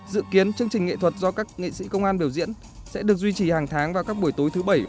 dự kiến chương trình nghệ thuật do các nghệ sĩ công an biểu diễn sẽ được duy trì hàng tháng vào các buổi tối thứ bảy